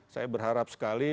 saya berharap sekali